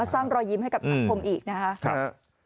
มาสร้างรอยยิ้มให้กับสังคมอีกนะครับ